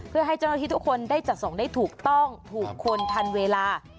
เพื่อให้เจ้าหน้าที่ทุกคนได้จัดส่งได้ถูกต้องถูกคนทันเวลา